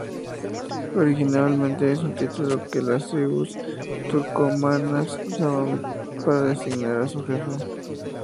Originalmente es un título que las tribus turcomanas usaban para designar a su jefe.